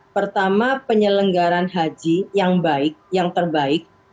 pertama penyelenggaran haji yang baik yang terbaik